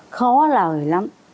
khó lời lắm